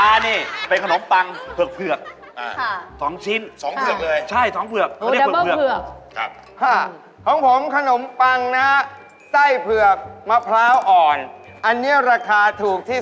หอมน้านี่เป็นขนมปังเผือกค่ะสองชิ้น